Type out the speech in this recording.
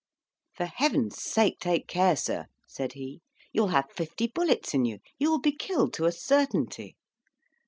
"For heaven's sake take care, sir," said he; "you'll have fifty bullets in you: you will be killed to a certainty."